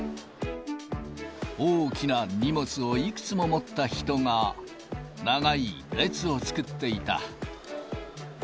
大きな荷物をいくつも持った人が、長い列を作っていた。